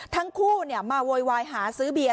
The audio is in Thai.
ทั้งคู่มาโวยวายหาซื้อเบียร์